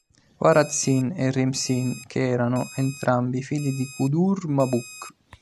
Warad-Sin e Rim-Sin, che erano entrambi figli di Kudur-Mabuk.